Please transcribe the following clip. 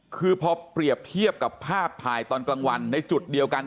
คือพอเปรียบเทียบกับภาพถ่ายตอนกลางวันในจุดเดียวกัน